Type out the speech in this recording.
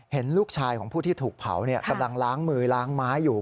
เห็นลูกชายของผู้ที่ถูกเผากำลังล้างมือล้างไม้อยู่